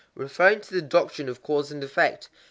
Referring to the doctrine of cause and effect.